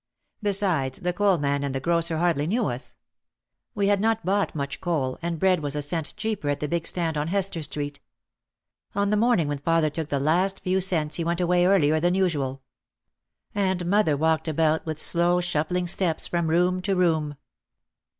Besides, the coal man and the grocer hardly knew us. We had not bought much coal and bread was a cent cheaper at the big stand on Hester Street. On the morning when father took the last few cents he went away earlier than usual. And mother walked about with slow shuffling steps from room to room.